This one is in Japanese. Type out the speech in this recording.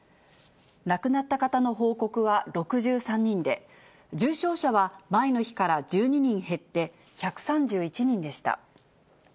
亡くなった方の報告は６３人で、重症者は前の日から１２人減って、１３１人でした。